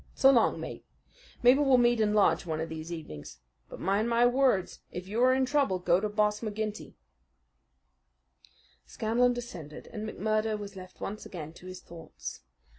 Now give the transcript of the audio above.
So long, mate! Maybe we'll meet in lodge one of these evenings. But mind my words: If you are in trouble, go to Boss McGinty." Scanlan descended, and McMurdo was left once again to his thoughts.